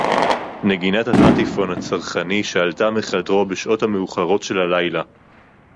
נְגִינַת הַפָּטֵיפוֹן הַצַּרְחָנִי שֶׁעָלְתָה מֵחֶדְרוֹ בַּשָּׁעוֹת הַמְאֻחָרוֹת שֶׁל הַלַּיְלָה